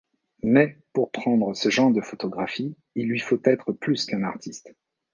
Mais, pour prendre ce genre de photographies, il lui faut être plus qu'un artiste.